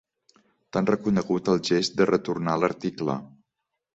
T'han reconegut el gest de retornar l'article.